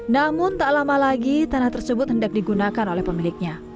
namun tak lama lagi tanah tersebut hendak digunakan oleh pemiliknya